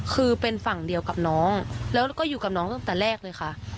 คือเป็นฝั่งเดียวกับน้องแล้วก็อยู่กับน้องตั้งแต่แรกเลยค่ะ